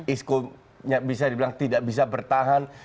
isco bisa dibilang tidak bisa bertahan